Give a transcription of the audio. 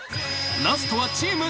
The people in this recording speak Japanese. ［ラストはチーム田中。